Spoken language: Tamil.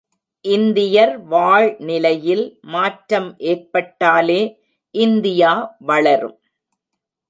இந்தியர் வாழ்நிலையில் மாற்றம் ஏற்பட்டாலே இந்தியா வளரும்.